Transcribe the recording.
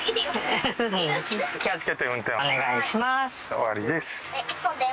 ・終わりです。